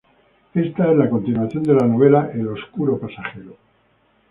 Esta es la continuación de la novela "El oscuro pasajero".